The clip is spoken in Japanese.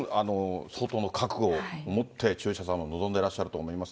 その分、相当の覚悟を持って、中車さんも臨んでいらっしゃると思います。